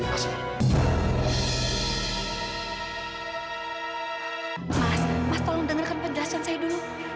mas mas tolong dengarkan penjelasan saya dulu